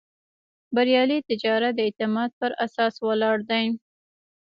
بریالی تجارت د اعتماد پر اساس ولاړ دی.